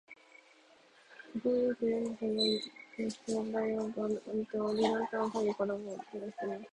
都合よく、亭主が宿の小さな正面階段の上に立っており、ランタンをかかげて彼のほうを照らしていた。